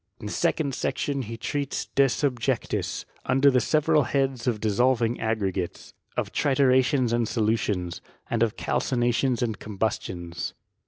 In the second section he treats de tubjectU, under the several heads of dissolving aggregatea, of tritura tions and solutions, and of ralcinations and combus tioDE.